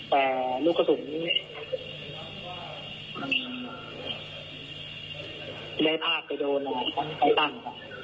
แต่ลูกศุมินี่ได้พากย์ไปโดนไว้ตั้ง